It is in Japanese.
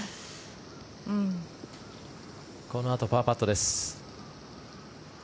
このあと、パーパットです。